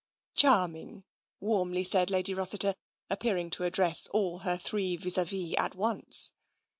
" Charming," warmly said Lady Rossiter, appearing to address all her three vis a vis at once.